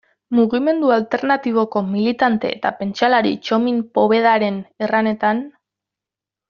Mugimendu alternatiboko militante eta pentsalari Txomin Povedaren erranetan.